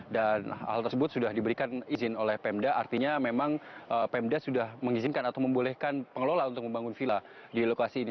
dan hal tersebut sudah diberikan izin oleh pemda artinya memang pemda sudah mengizinkan atau membolehkan pengelola untuk membangun villa di lokasi ini